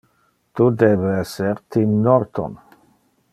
Tu debe ser Tim Norton.